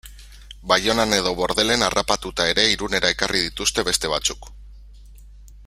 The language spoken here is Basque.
Baionan edo Bordelen harrapatuta ere Irunera ekarri dituzte beste batzuk...